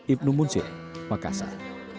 ibnu munsyek makassar